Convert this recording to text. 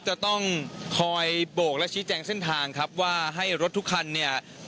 จะต้องคอยโบกและชี้แจงเส้นทางครับว่าให้รถทุกคันเนี่ย